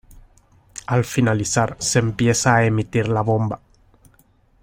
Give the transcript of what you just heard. Al finalizar se empieza a emitir La Bomba.